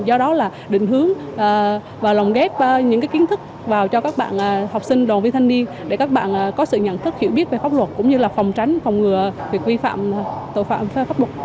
do đó là định hướng và lồng ghép những kiến thức vào cho các bạn học sinh đoàn viên thanh niên để các bạn có sự nhận thức hiểu biết về pháp luật cũng như là phòng tránh phòng ngừa việc vi phạm tội phạm pháp luật